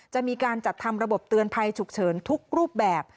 จะมีการจัดทำระบบเตือนภัยฉุกเฉินทุกรูปแบบ